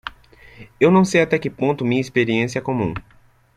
Eu não sei até que ponto minha experiência é comum.